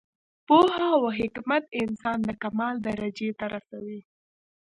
پوهه او حکمت انسان د کمال درجې ته رسوي.